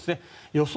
予想